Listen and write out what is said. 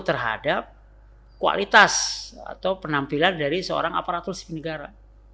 terhadap kualitas atau penampilan dari seorang aparatur sipil negara